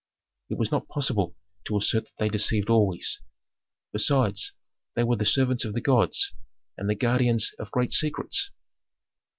It was not possible to assert that they deceived always. Besides, they were the servants of the gods, and the guardians of great secrets."